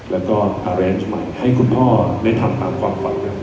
แล้วก็อะไรใหม่ให้คุณพ่อได้ทำตามความฝัน